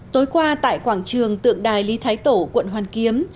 tối qua tại quảng trường tượng đài lý thái tổ quận hoàn kiếm